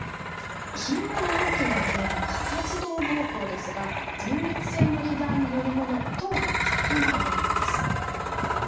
頻尿の大きな原因過活動ぼうこうですが前立腺の肥大によるものとはかぎらないようなんです。